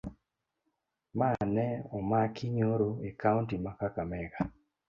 Mane omaki nyoro e kaunti ma kakamega